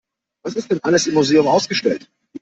Was ist denn alles im Museum ausgestellt?